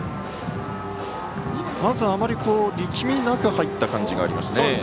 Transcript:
まず、あまり力みなく入った感じがありますね。